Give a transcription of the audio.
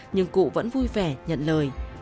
nhưng cụ vẫn vui vẻ nhận lời